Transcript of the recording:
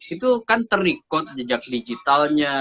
itu kan terikot jejak digitalnya